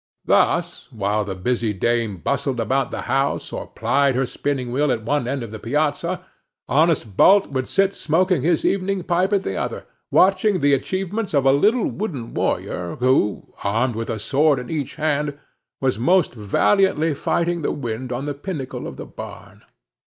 Thus, while the busy dame bustled about the house, or plied her spinning wheel at one end of the piazza, honest Balt would sit smoking his evening pipe at the other, watching the achievements of a little wooden warrior, who, armed with a sword in each hand, was most valiantly fighting the wind on the pinnacle of the barn.